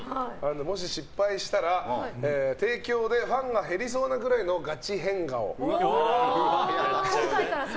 もし失敗したら提供でファンが減りそうなくらいのガチ変顔。